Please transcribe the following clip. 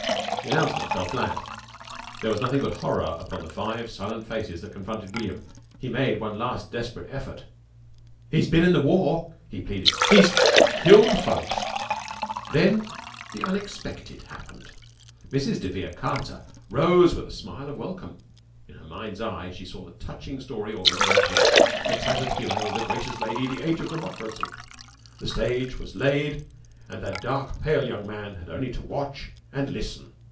The announcement fell flat. There was nothing but horror upon the five silent faces that confronted William. He made a last desperate effort. "He's bin in the war," he pleaded. "He's killed folks." Then the unexpected happened. Mrs. de Vere Carter rose with a smile of welcome. In her mind's eye she saw the touching story already in print the tattered hero the gracious lady the age of Democracy. The stage was laid and that dark, pale young man had only to watch and listen.